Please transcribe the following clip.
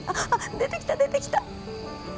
出てきた、出てきた！